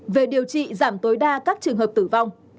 về điều trị giảm tối đa các trường hợp tử vong